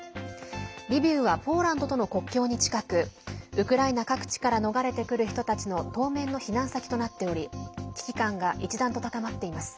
リビウはポーランドとの国境に近くウクライナ各地から逃れてくる人たちの当面の避難先となっており危機感が一段と高まっています。